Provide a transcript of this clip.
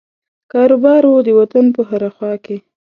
کاروبار وو د وطن په هره خوا کې.